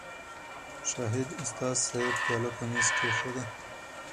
شاهد استاذ صېب پياله پۀ مېز کېښوده